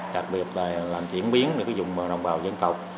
đặc biệt là làm chuyển biến để có dụng bằng đồng bào dân tộc